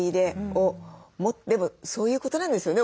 でもそういうことなんですよね。